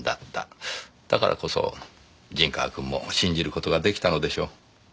だからこそ陣川くんも信じる事が出来たのでしょう。